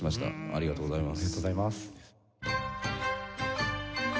ありがとうございます。